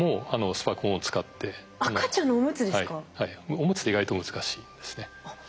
おむつって意外と難しいんですね。